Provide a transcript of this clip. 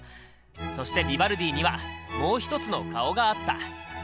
そしてヴィヴァルディにはもう一つの顔があった。